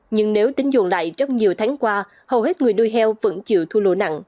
nhưng nếu tính dồn lại trong nhiều tháng qua hầu hết người nuôi heo vẫn chịu thu lộ nặng